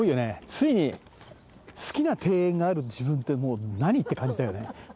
ついに好きな庭園がある自分ってもう何？って感じだよね。